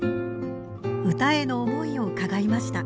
唄への思いを伺いました。